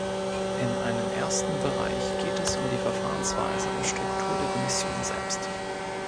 In einem ersten Bereich geht es um die Verfahrensweise und Struktur der Kommission selbst.